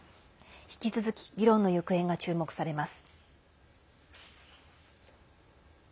引き続き議論の行方が注目されます。